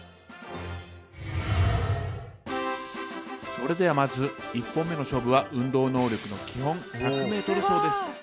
それではまず１本目の勝負は運動能力の基本１００ｍ走です。